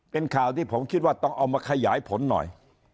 เป็นข่าวที่ผมคิดว่าต้องเอามาขยายผลหน่อย